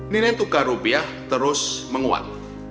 nilai tukar rupiah terus menguat